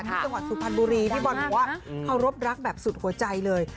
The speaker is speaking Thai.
จังหวัดสุพรรณบุรีพี่บอลบอกว่าเคารพรักแบบสุดหัวใจเลย